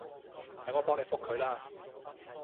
等我幫你覆佢啦